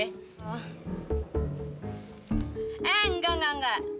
eh enggak enggak enggak